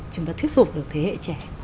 chúng ta thuyết phục được thế hệ trẻ